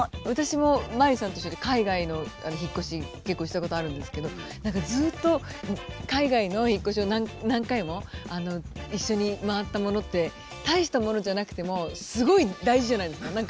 私もマリさんと一緒で海外の引っ越し結構したことあるんですけど何かずっと海外の引っ越しを何回も一緒に回ったものって大したものじゃなくてもすごい大事じゃないですか。